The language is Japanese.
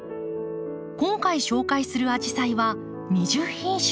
今回紹介するアジサイは２０品種。